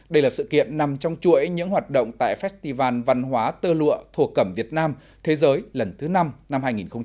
đây là sự kiện nằm trong chuỗi những hoạt động tại festival văn hóa tơ lụa thổ cẩm việt nam thế giới lần thứ năm năm hai nghìn một mươi chín